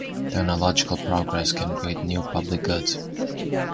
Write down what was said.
Technological progress can create new public goods.